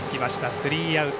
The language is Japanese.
スリーアウト。